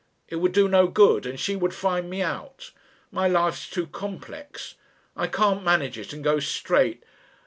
It would do no good and she would find me out. My life's too complex. I can't manage it and go straight.